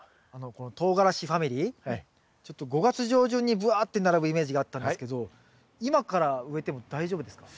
このとうがらしファミリーちょっと５月上旬にぶわって並ぶイメージがあったんですけど今から植えても大丈夫ですか？